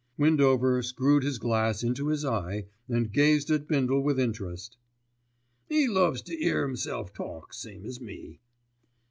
Windover screwed his glass into his eye and gazed at Bindle with interest. "'E loves to 'ear 'imself talk, same as me."